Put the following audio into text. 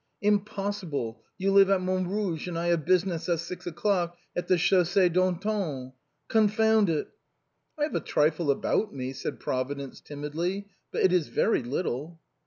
" Impossible ; you live at Montrouge, and I have business at six o'clock at the Chaussée d'Antin, Confound it." " I have a trifle about me," said Providence, timidly, " but it is very little."